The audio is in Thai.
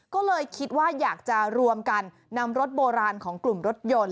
ก็เลยคิดว่าอยากจะรวมกันนำรถโบราณของกลุ่มรถยนต์